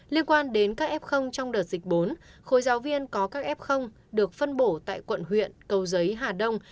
liên quan đến các f trong đợt dịch bốn khối giáo viên có các f được phân bổ tại quận huyện cầu giấy hà đông